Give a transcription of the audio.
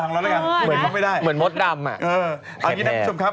เหมือนมดดำ